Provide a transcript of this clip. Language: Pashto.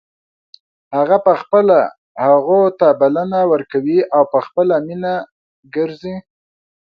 هغه په خپله هغو ته بلنه ورکوي او په خپله مینه ګرځي.